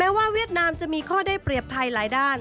ว่าเวียดนามจะมีข้อได้เปรียบไทยหลายด้าน